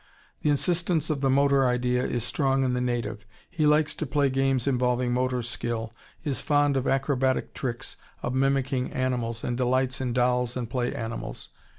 The insistence of the motor idea is strong in the native; he likes to play games involving motor skill, is fond of acrobatic tricks, of mimicking animals, and delights in dolls and play animals.